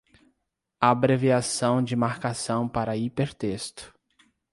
Abreviação de marcação para hipertexto